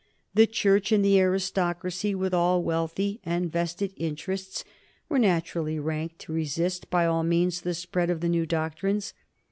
The Church and the aristocracy, with all wealthy and vested interests, were naturally ranked to resist by all means the spread of the new doctrines.